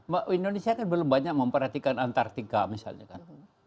bahwa indonesia kan belum banyak memperhatikan antartika misalnya kan